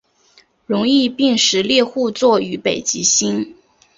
容易辨识猎户座与北极星